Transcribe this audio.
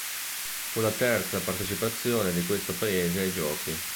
Fu la terza partecipazione di questo Paese ai Giochi.